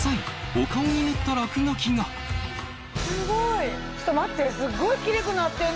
お顔に塗った落書きがちょっと待って。